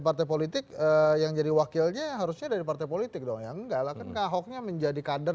partai politik yang jadi wakilnya harusnya dari partai politik dong ya enggak lah kan ke ahoknya menjadi kader